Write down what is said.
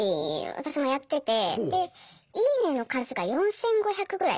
私もやっててで「いいね」の数が４，５００ぐらい。